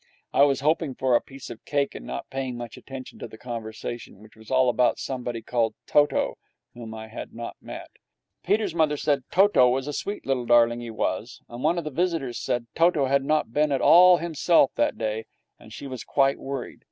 I was hoping for a piece of cake and not paying much attention to the conversation, which was all about somebody called Toto, whom I had not met. Peter's mother said Toto was a sweet little darling, he was; and one of the visitors said Toto had not been at all himself that day and she was quite worried.